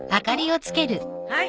はい。